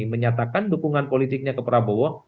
menyatakan dukungan politiknya ke prabowo